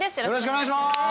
よろしくお願いします！